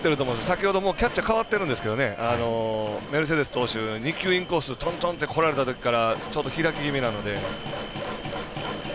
先ほどもキャッチャー変わってるんですけどメルセデス投手２球インコース、トントンとこられたときからちょっと開き気味なので。